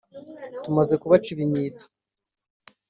tumaze kubaca ibinyita